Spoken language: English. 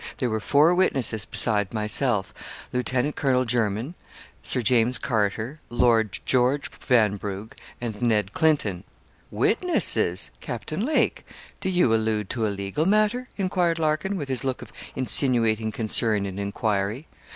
There were four witnesses beside myself Lieutenant Colonel Jermyn, Sir James Carter, Lord George Vanbrugh, and Ned Clinton. 'Witnesses! Captain Lake. Do you allude to a legal matter?' enquired Larkin, with his look of insinuating concern and enquiry.